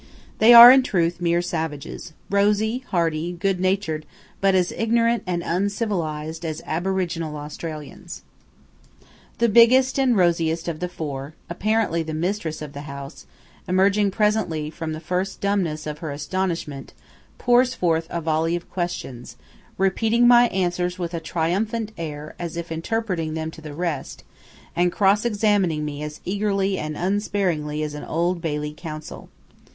They are, in truth, mere savages–rosy, hearty, good natured; but as ignorant and uncivilised as aboriginal Australians. The biggest and rosiest of the four–apparently the mistress of the house–emerging presently from the first dumbness of her astonishment, pours forth a volley of questions, repeating my answers with a triumphant air, as if interpreting them to the rest, and cross examining me as eagerly and unsparingly as an Old Bailey counsel.